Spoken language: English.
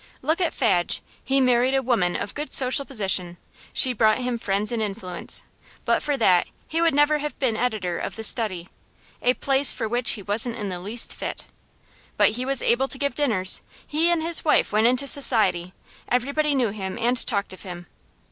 Look at Fadge. He married a woman of good social position; she brought him friends and influence. But for that he would never have been editor of The Study, a place for which he wasn't in the least fit. But he was able to give dinners; he and his wife went into society; everybody knew him and talked of him.